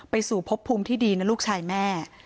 สู่พบภูมิที่ดีนะลูกชายแม่